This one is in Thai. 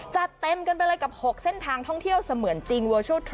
จะเต็มกันไปเลยกับ๖เส้นทางท่องเที่ยวเสมือนจริง